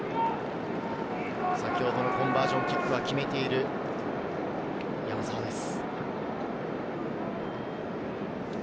先ほどのコンバージョンキックは決めている山沢です。